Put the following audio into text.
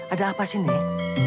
ada apa sih nek